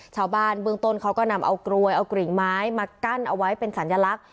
ชาวบ้านเบื้องต้นเขาก็นำเอากรวยเอากริ่งไม้มากั้นเอาไว้เป็นสัญลักษณ